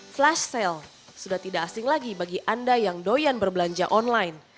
flash sale sudah tidak asing lagi bagi anda yang doyan berbelanja online